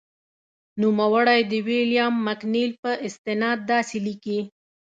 نوموړی د ویلیام مکنیل په استناد داسې لیکي.